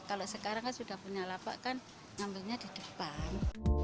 kalau sekarang kan sudah punya lapak kan ngambilnya di depan